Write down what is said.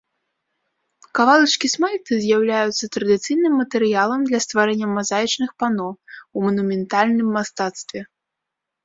Кавалачкі смальты з'яўляюцца традыцыйным матэрыялам для стварэння мазаічных пано, у манументальным мастацтве.